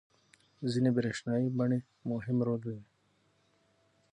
ځینې برېښنايي بڼې مهم رول لري.